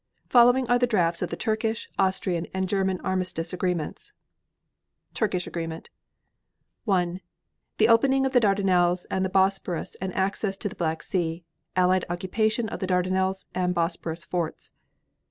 Following are the drafts of the Turkish, Austrian and German armistice agreements. THE TURKISH AGREEMENT 1. The opening of the Dardanelles and the Bosporus and access to the Black Sea. Allied occupation of the Dardanelles and Bosporus forts.